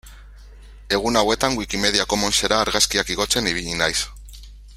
Egun hauetan Wikimedia Commonsera argazkiak igotzen ibili naiz.